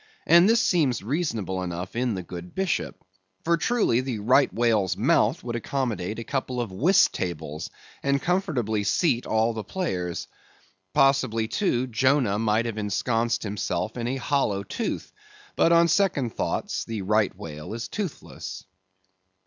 And this seems reasonable enough in the good Bishop. For truly, the Right Whale's mouth would accommodate a couple of whist tables, and comfortably seat all the players. Possibly, too, Jonah might have ensconced himself in a hollow tooth; but, on second thoughts, the Right Whale is toothless.